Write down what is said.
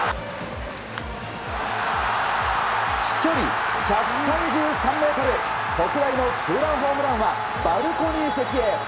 飛距離１３３ｍ特大のツーランホームランはバルコニー席へ。